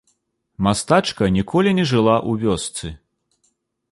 Мастачка ніколі не жыла ў вёсцы.